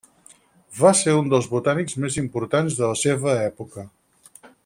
Va ser un dels botànics més importants de la seva època.